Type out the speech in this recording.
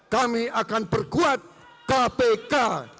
kami akan perkuat kpk